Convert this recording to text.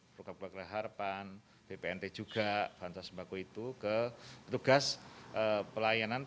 program program reharapan bpnt juga bantuan sembako itu ke petugas pelayanan